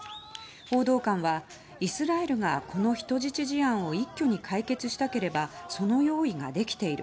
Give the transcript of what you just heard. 報道官は、イスラエルがこの人質事案を一挙に解決したければその用意ができている。